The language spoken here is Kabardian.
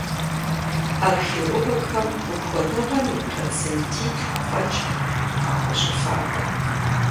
Археологхэм ухуэныгъэм и процентитху фӀэкӀ къатӏэщӏыфакъым.